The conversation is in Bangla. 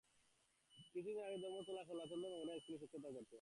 কিছুদিন আবার ধর্মতলার খেলাৎচন্দ্র মেমোরিয়াল স্কুলে শিক্ষকতা করেন।